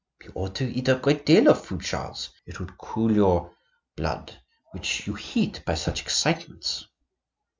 "You ought to eat a great deal of fruit, Charles; it would cool your blood, which you heat by such excitements."